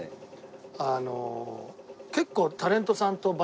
あの結構。